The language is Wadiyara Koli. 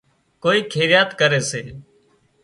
ڪوئي خيرات ڪري سي